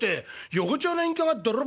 横町の隠居が泥棒？